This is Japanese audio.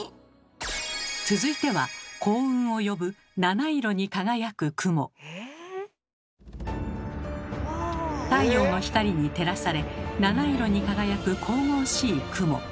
続いては太陽の光に照らされ七色に輝く神々しい雲。